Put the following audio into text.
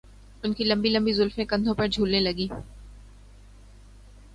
ان کی لمبی لمبی زلفیں کندھوں پر جھولنے لگیں